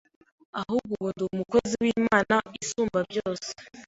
ahubwo ubu ndi umukozi w’Imana isumba byose.